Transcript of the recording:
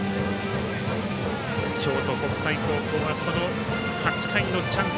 京都国際高校は８回のチャンス